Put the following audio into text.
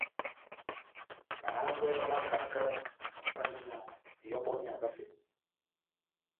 Bahángwɛ bá makaka bandi na ihɔbɔniya vasɛ.